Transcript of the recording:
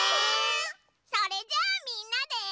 それじゃあみんなで。